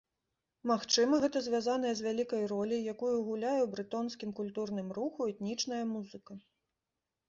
Магчыма, гэта звязаная з вялікай роляй, якую гуляе ў брэтонскім культурным руху этнічная музыка.